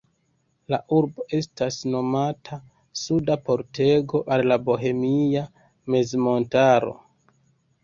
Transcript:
La urbo estas nomata "Suda pordego al la Bohemia mezmontaro".